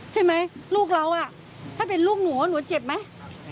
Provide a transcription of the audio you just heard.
ใช่ไหมลูกเราถ้าเป็นลูกหนูหนูเจ็บไหม